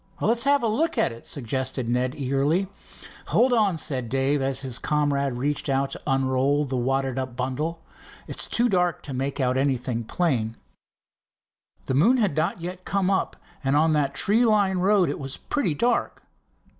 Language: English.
"Let's have a look at it," suggested Ned eagerly. "Hold on," said Dave, as his comrade reached out to unroll the wadded up bundle. "It's too dark to make out anything plain." The moon had not yet come up, and on that tree lined road it was pretty dark.